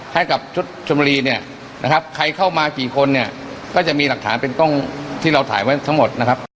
ให้กับชุดชมลีใครเข้ามากี่คนก็จะมีหลักฐานเป็นต้องที่เราถ่ายไว้ทั้งหมด